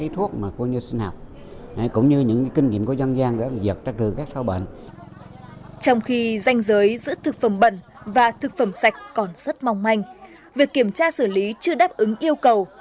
trong khi danh giới giữa thực phẩm bẩn và thực phẩm sạch còn rất mong manh việc kiểm tra xử lý chưa đáp ứng yêu cầu